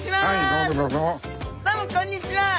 どうもこんにちは！